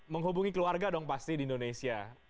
menghubungi keluarga dong pasti di indonesia